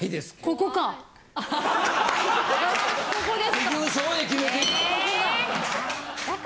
ここですか。